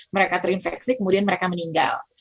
mereka terinfeksi kemudian mereka meninggal